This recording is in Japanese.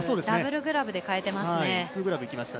ダブルグラブで変えてますね。